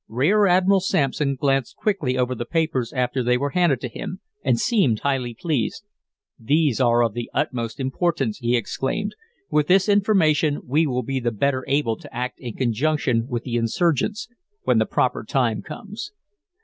Rear Admiral Sampson glanced quickly over the papers after they were handed to him, and seemed highly pleased. "These are of the utmost importance," he exclaimed. "With this information we will be the better able to act in conjunction with the insurgents when the proper time comes."